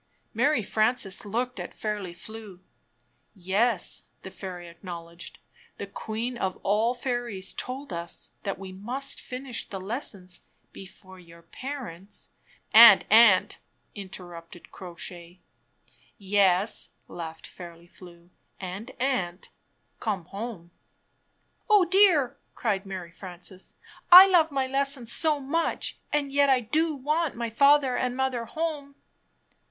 Mary Frances looked at Fairly Flew. "Yes," the fairy acknowledged, "the Queen of all Fairies told us that we must finish the lessons before your parents " ''And aunt," interrupted Crow Sha}'. "Yes," laughed Fairly Flew, "and aunt, come home." "Oh, dear," cried Mary Frances, "I love my lessons 60 much, and yet I do want my father and mother home."